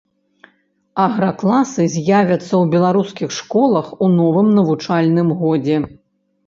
Агракласы з'явяцца ў беларускіх школах у новым навучальным годзе.